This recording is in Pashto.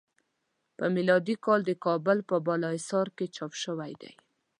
په میلادی کال د کابل په بالا حصار کې چاپ شوی دی.